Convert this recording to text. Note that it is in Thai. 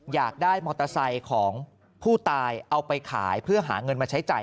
อยากได้มอเตอร์ไซค์ของผู้ตายเอาไปขายเพื่อหาเงินมาใช้จ่าย